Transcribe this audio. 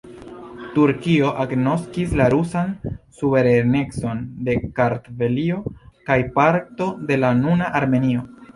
Turkio agnoskis la rusan suverenecon de Kartvelio kaj parto de la nuna Armenio.